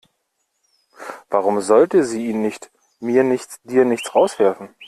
Warum sollte sie ihn nicht mir nichts, dir nichts rauswerfen?